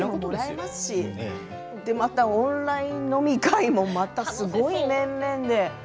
またオンライン飲み会もすごい面々で。